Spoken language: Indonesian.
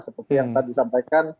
seperti yang tadi disampaikan